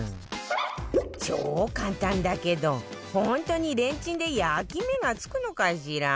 超簡単だけど本当にレンチンで焼き目がつくのかしら？